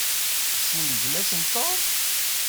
Tessnem gma-s n Tom?